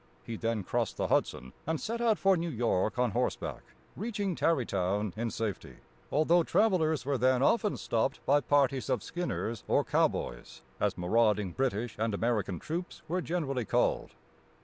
He then crossed the Hudson, and set out for New York on horseback, reaching Tăr´ry town in safety, although travelers were then often stopped by parties of "Skinners" or "Cowboys," as marauding British and American troops were generally called.